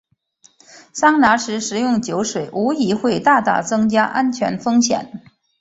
桑拿时食用酒水无疑会大大增加安全风险。